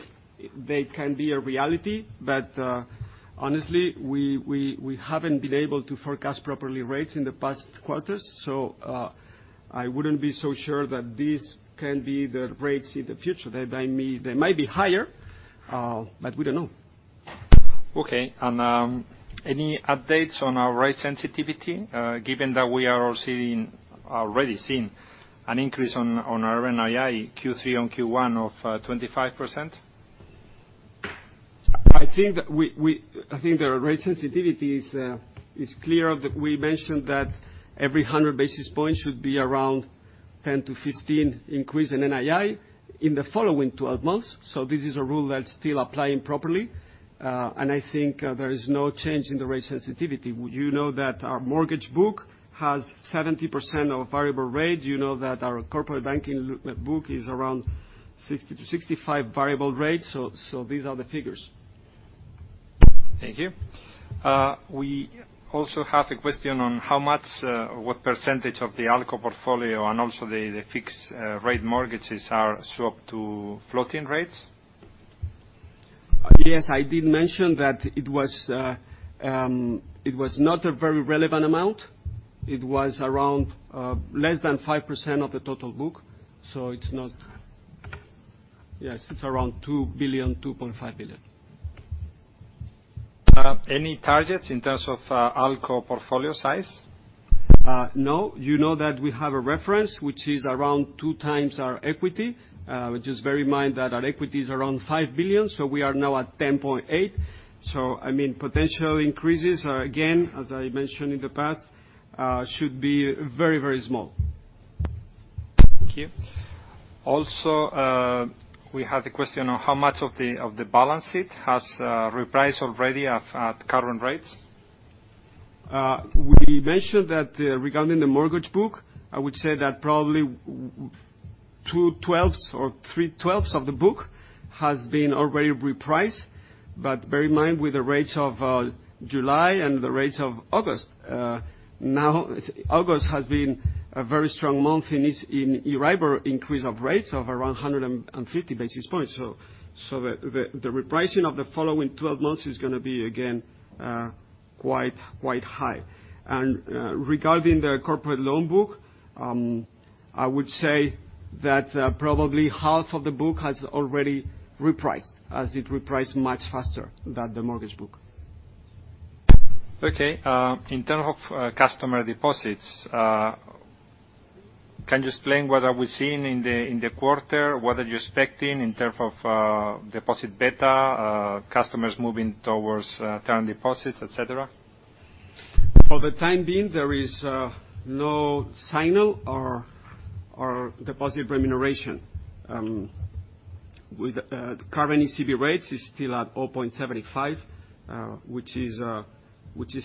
they can be a reality, but honestly, we haven't been able to forecast properly rates in the past quarters. I wouldn't be so sure that these can be the rates in the future. They might be higher, but we don't know. Okay, any updates on our rate sensitivity, given that we are already seeing an increase on our NII, Q3 on Q1 of 25%? I think the rate sensitivity is clear. That we mentioned that every 100 basis points should be around 10-15 increase in NII in the following 12 months. This is a rule that's still applying properly. I think there is no change in the rate sensitivity. You know that our mortgage book has 70% of variable rate. You know that our corporate banking book is around 60-65 variable rate. These are the figures. Thank you. We also have a question on how much what percentage of the ALCO portfolio and also the fixed rate mortgages are swapped to floating rates? Yes, I did mention that it was not a very relevant amount. It was around less than 5% of the total book. Yes, it's around 2 billion, 2.5 billion. Any targets in terms of ALCO portfolio size? No. You know that we have a reference, which is around 2x our equity. You just bear in mind that our equity is around 5 billion, so we are now at 10.8. I mean, potential increases are, again, as I mentioned in the past, should be very, very small. Thank you. Also, we have the question on how much of the balance sheet has repriced already at current rates. We mentioned that, regarding the mortgage book, I would say that probably 2/12 or 3/12 of the book has been already repriced. Bear in mind, with the rates of July and the rates of August, now August has been a very strong month in this, in Euribor increase of rates of around 150 basis points. The repricing of the following 12 months is gonna be again quite high. Regarding the corporate loan book, I would say that probably half of the book has already repriced, as it repriced much faster than the mortgage book. Okay. In terms of customer deposits, can you explain what are we seeing in the quarter? What are you expecting in terms of deposit beta, customers moving towards term deposits, et cetera? For the time being, there is no signal or deposit remuneration. With current ECB rates is still at 0.75%, which is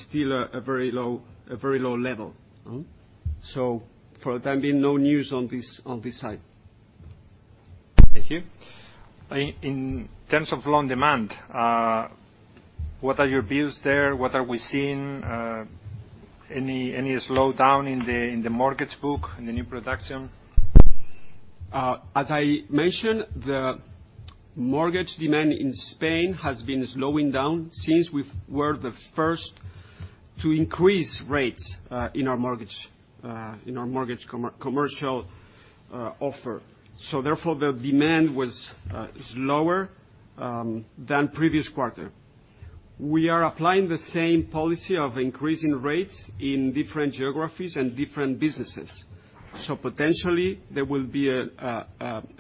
still a very low level. For the time being, no news on this side. Thank you. In terms of loan demand, what are your views there? What are we seeing? Any slowdown in the mortgage book, in the new production? As I mentioned, the mortgage demand in Spain has been slowing down since we were the first to increase rates in our mortgage commercial offer. Therefore, the demand is lower than previous quarter. We are applying the same policy of increasing rates in different geographies and different businesses. Potentially there will be a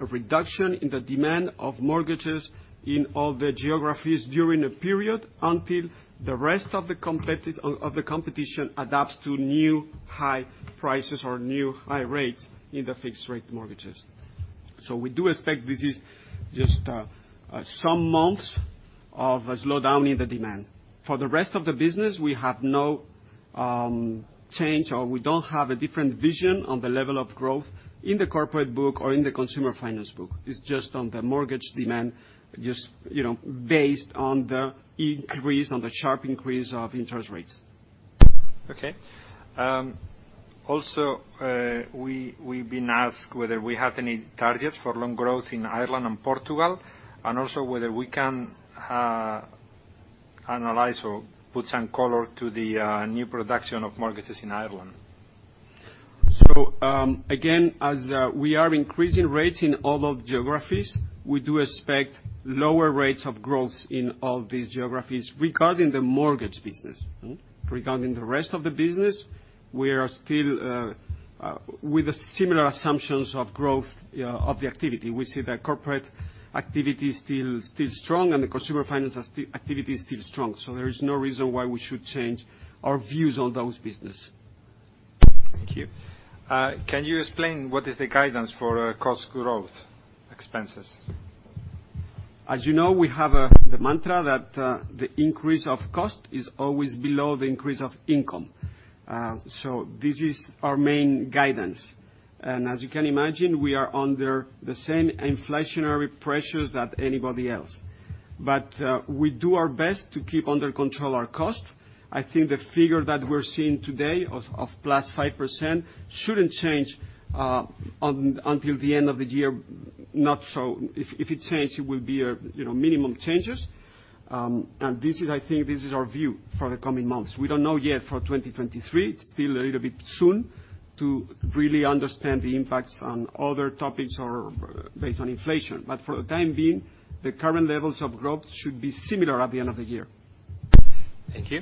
reduction in the demand of mortgages in all the geographies during the period until the rest of the competition adapts to new high prices or new high rates in the fixed rate mortgages. We do expect this is just some months of a slowdown in the demand. For the rest of the business, we have no change, or we don't have a different vision on the level of growth in the corporate book or in the consumer finance book. It's just on the mortgage demand, just, you know, based on the increase, on the sharp increase of interest rates. Also, we've been asked whether we have any targets for loan growth in Ireland and Portugal, and also whether we can analyze or put some color to the new production of mortgages in Ireland. Again, as we are increasing rates in all of geographies, we do expect lower rates of growth in all these geographies regarding the mortgage business. Regarding the rest of the business, we are still with similar assumptions of growth, yeah, of the activity. We see that corporate activity is still strong and the consumer finance activity is still strong, so there is no reason why we should change our views on those businesses. Thank you. Can you explain what is the guidance for cost growth expenses? As you know, we have the mantra that the increase of cost is always below the increase of income. So this is our main guidance. As you can imagine, we are under the same inflationary pressures that anybody else. We do our best to keep under control our cost. I think the figure that we're seeing today of +5% shouldn't change until the end of the year. If it changed, it will be, you know, minimum changes. I think this is our view for the coming months. We don't know yet for 2023. It's still a little bit soon to really understand the impacts on other topics or based on inflation. For the time being, the current levels of growth should be similar at the end of the year. Thank you.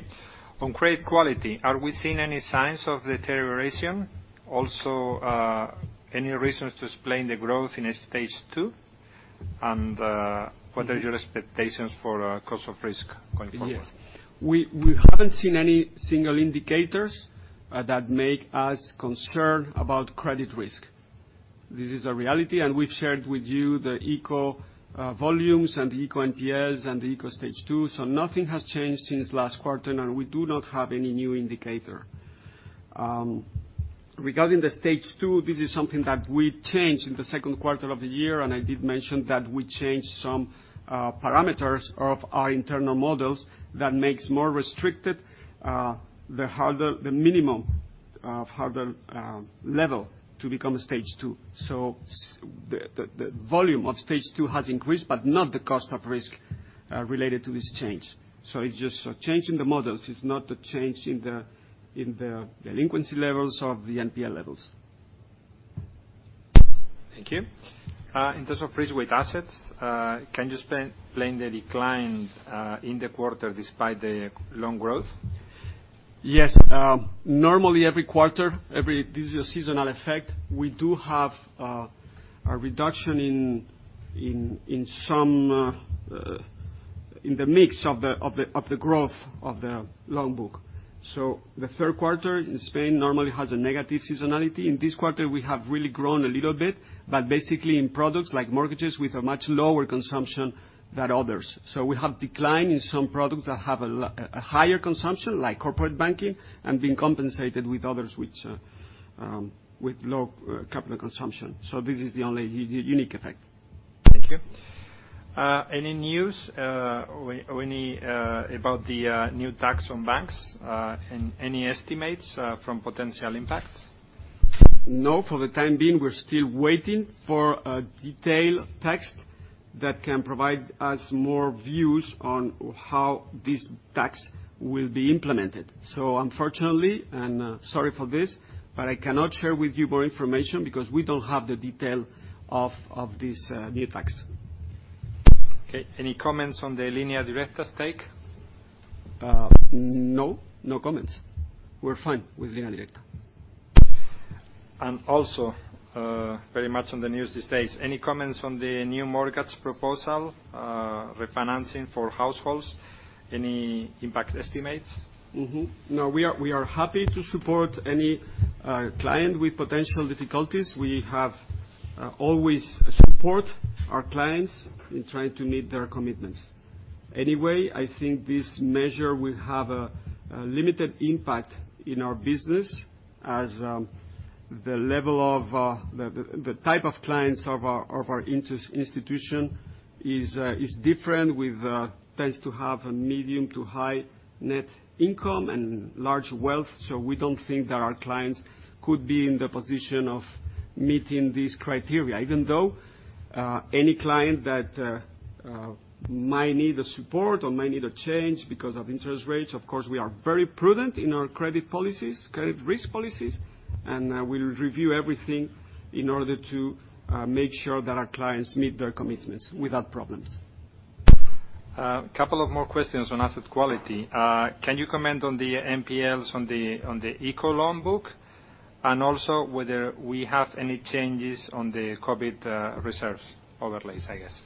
On credit quality, are we seeing any signs of deterioration? Also, any reasons to explain the growth in a Stage 2, and what are your expectations for cost of risk going forward? Yes. We haven't seen any single indicators that make us concerned about credit risk. This is a reality, and we've shared with you the Evo volumes and the Evo NPLs and the Evo Stage 2, so nothing has changed since last quarter, and we do not have any new indicator. Regarding the Stage 2, this is something that we changed in the Q2 of the year, and I did mention that we changed some parameters of our internal models that makes more restricted the harder minimum level to become Stage 2. The volume of Stage 2 has increased, but not the cost of risk related to this change. It's just a change in the models. It's not a change in the delinquency levels of the NPL levels. Thank you. In terms of risk-weighted assets, can you explain the decline in the quarter despite the loan growth? Yes. Normally every quarter this is a seasonal effect. We do have a reduction in some in the mix of the growth of the loan book. The Q3 in Spain normally has a negative seasonality. In this quarter, we have really grown a little bit, but basically in products like mortgages with a much lower consumption than others. We have decline in some products that have a higher consumption, like corporate banking, and being compensated with others which with low capital consumption. This is the only unique effect. Thank you. Any news, or any, about the new tax on banks, and any estimates from potential impact? No. For the time being, we're still waiting for a detailed text that can provide us more views on how this tax will be implemented. Unfortunately, and sorry for this, but I cannot share with you more information because we don't have the detail of this new tax. Okay. Any comments on the Línea Directa's take? No. No comments. We're fine with Línea Directa. Also, very much on the news these days, any comments on the new mortgage proposal, refinancing for households? Any impact estimates? No. We are happy to support any client with potential difficulties. We have always support our clients in trying to meet their commitments. Anyway, I think this measure will have a limited impact in our business as the level of the type of clients of our institution is different with tends to have a medium to high net income and large wealth. We don't think that our clients could be in the position of meeting this criteria. Even though any client that might need a support or might need a change because of interest rates, of course, we are very prudent in our credit policies, credit risk policies, and we'll review everything in order to make sure that our clients meet their commitments without problems. Couple of more questions on asset quality. Can you comment on the NPLs on the Evo loan book, and also whether we have any changes on the COVID reserves overlays, I guess?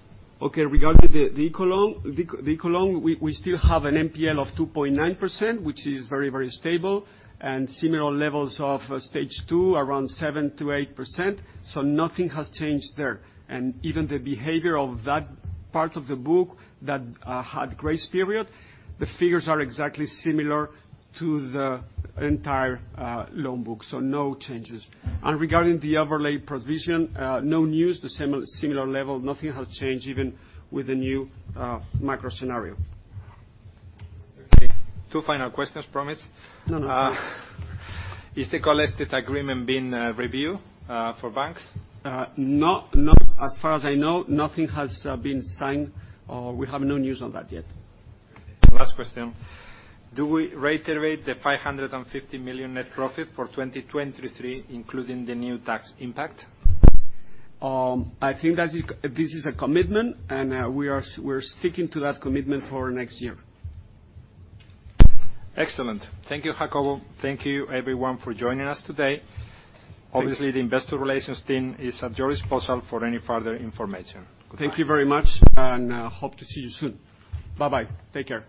Okay. Regarding the ICO loan, we still have an NPL of 2.9%, which is very stable, and similar levels of Stage 2, around 7%-8%. Nothing has changed there. Even the behavior of that part of the book that had grace period, the figures are exactly similar to the entire loan book. No changes. Regarding the overlay provision, no news. The same similar level. Nothing has changed even with the new macro scenario. Okay. Two final questions, promise. No, no. Is the collective agreement being reviewed for banks? No, no. As far as I know, nothing has been signed. We have no news on that yet. Last question. Do we reiterate the 550 million net profit for 2023, including the new tax impact? This is a commitment, and we're sticking to that commitment for next year. Excellent. Thank you, Jacobo. Thank you, everyone, for joining us today. Thank you. Obviously, the investor relations team is at your disposal for any further information. Goodbye. Thank you very much, and hope to see you soon. Bye-bye. Take care.